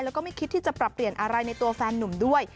แล้วก็ไม่คิดที่จะปรับเปลี่ยนอะไรในตัวแฟนนุ่มด้วย